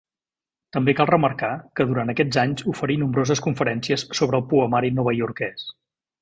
També cal remarcar que durant aquests anys oferí nombroses conferències sobre el poemari novaiorquès.